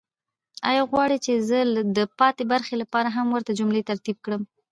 آیا غواړئ چې زه د پاتې برخې لپاره هم ورته جملې ترتیب کړم؟